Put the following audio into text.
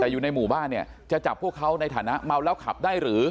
แต่อยู่ในหมู่บ้านเนี่ยจะจับพวกเขาในฐานะเมาแล้วขับได้หรือ